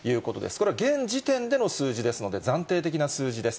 これ、現時点での数字ですので、暫定的な数字です。